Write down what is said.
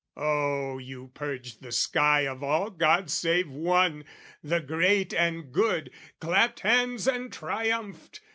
Oh, you purged the sky Of all gods save One, the great and good, Clapped hands and triumphed!